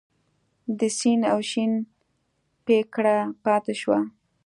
د سین او شین پیکړه پاتې شوه.